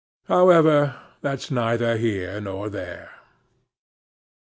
However, that's neither here nor there.